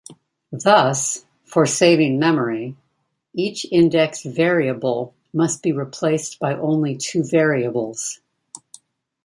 Thus, for saving memory, each indexed variable must be replaced by only two variables.